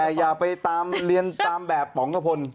แต่อย่าไปตามเรียนตามแบบป๋องกระพล